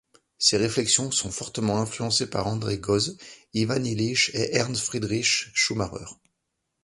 Ses réflexions sont fortement influencées par André Gorz, Ivan Illich et Ernst Friedrich Schumacher.